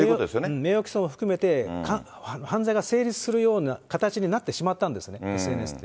名誉毀損を含めて、犯罪が成立するような形になってしまったんですね、ＳＮＳって。